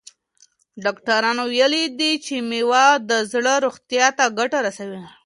ډاکټرانو ویلي دي چې مېوه د زړه روغتیا ته ګټه رسوي.